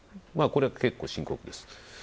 これは結構、深刻です。